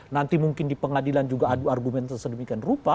nanti mungkin di pengadilan juga ada argumen sesedemikian rupa